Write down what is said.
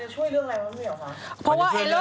ชุดปีมันจะช่วยเรื่องอะไรบ้างมั้ยหรือเปล่าคะ